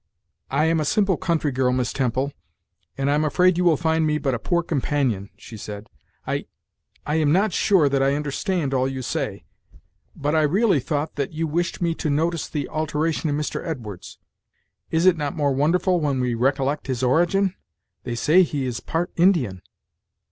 "I am a simple country girl, Miss Temple, and I am afraid you will find me but a poor companion," she said. "I I am not sure that I understand all you say. But I really thought that you wished me to notice the alteration in Mr. Edwards, Is it not more wonderful when we recollect his origin? They say he is part Indian."